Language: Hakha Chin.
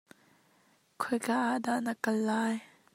Khoi ka ah dah na kal?